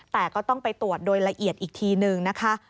แต่ก็ต้องไปตรวจโดยละเอียดอีกทีนึงนะคะ